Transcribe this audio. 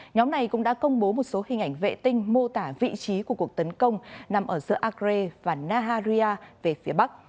nhóm này cũng đã công bố một số hình ảnh vệ tinh mô tả vị trí của cuộc tấn công nằm ở giữa akre và naharia về phía bắc